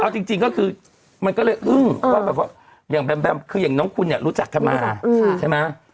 จริงก็คือมันก็เลยอึ้มอย่างแบมน้องคุณรู้จักกันมาใช่ไหม